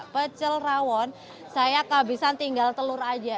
pecel rawon saya kehabisan tinggal telur aja